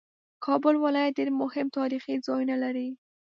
کابل ولایت ډېر مهم تاریخي ځایونه لري